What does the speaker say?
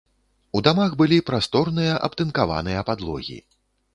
У дамах былі прасторныя абтынкаваныя падлогі.